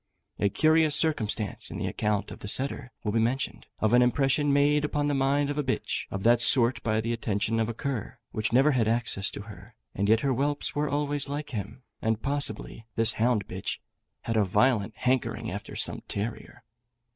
A curious circumstance, in the account of the setter, will be mentioned, of an impression made upon the mind of a bitch of that sort by the attention of a cur, which never had access to her, and yet her whelps were always like him, and possibly this hound bitch had a violent hankering after some terrier.